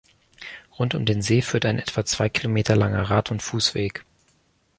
Rund um den See führt ein etwa zwei Kilometer langer Rad- und Fußweg.